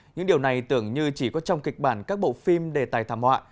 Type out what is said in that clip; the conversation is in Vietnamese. những điều này tưởng như chỉ có trong kịch bản các bộ phim đề tài thảm họa